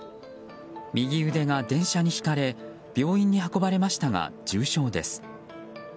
右腕が電車にひかれ病院に運ばれましたが重傷です。